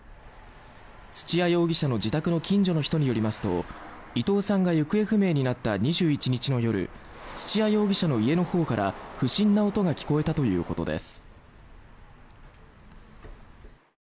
土屋容疑者の自宅の近所の人によりますと伊藤さんが行方不明になった２１日の夜土屋容疑者の家の方から不審な音が聞こえたということです。